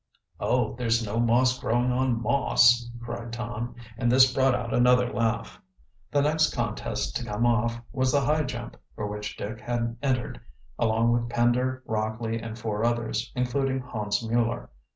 "Oh, there's no moss growing on Moss," cried Tom, and this brought out another laugh. The next contest to come off was the high jump, for which Dick had entered, along with Pender, Rockley, and four others, including Hans Mueller.